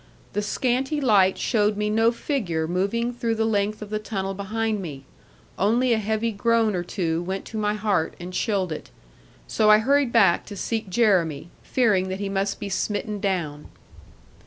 The scanty light showed me no figure moving through the length of the tunnel behind me; only a heavy groan or two went to my heart, and chilled it. So I hurried back to seek Jeremy, fearing that he must be smitten down.